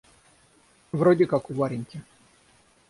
В роде как у Вареньки.